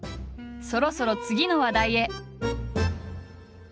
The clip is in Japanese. そろそろ次の話題へ。